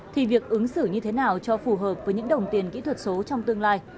thì việc ứng xử như thế nào cho phù hợp với những đồng tiền kỹ thuật số trong tương lai